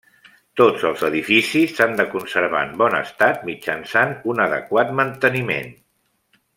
Tots els edificis s'han de conservar en bon estat mitjançant un adequat manteniment.